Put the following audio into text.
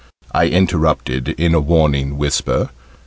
I interrupted in a warning whisper.